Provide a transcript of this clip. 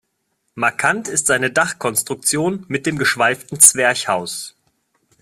Markant ist seine Dachkonstruktion mit dem geschweiften Zwerchhaus.